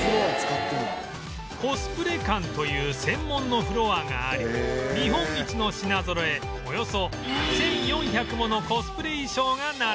コスプレ館という専門のフロアがあり日本一の品ぞろえおよそ１４００ものコスプレ衣装が並ぶ